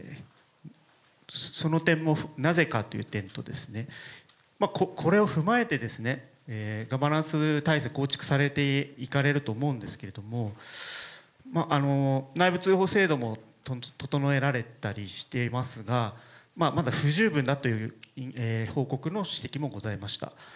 その点も、なぜかという点と、これを踏まえてですね、ガバナンス体制構築されていかれると思うんですけれども、内部通報制度も整えられたりしていますが、まだ不十分だという報告の指摘もございました。